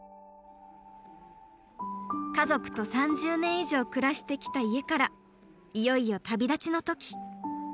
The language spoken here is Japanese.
家族と３０年以上暮らしてきた家からいよいよ旅立ちの時。